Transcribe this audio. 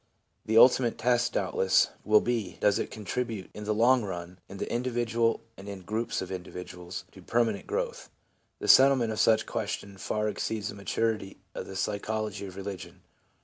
The ultimate test, doubtless, will be, does it contribute, in the long run, in the individual and in groups of individuals, to permanent growth? The settlement of such a question far exceeds the maturity of the psychology of religion.